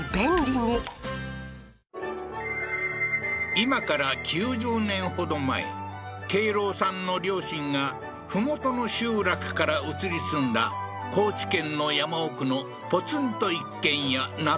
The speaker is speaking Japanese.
今から９０年ほど前敬郎さんの両親が麓の集落から移り住んだ高知県の山奥のポツンと一軒家中